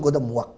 gue udah muak